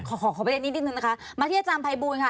ขอไปเรียนนิดนึงนะคะมาที่อาจารย์ภัยบุญค่ะ